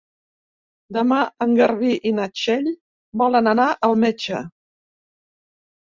Demà en Garbí i na Txell volen anar al metge.